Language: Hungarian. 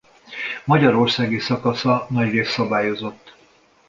Magyarországi szakasza nagyrészt szabályozott.